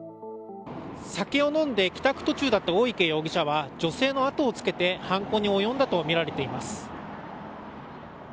酒を飲んで帰宅途中だった大池容疑者は女性のあとをつけて犯行に及んだとみられています。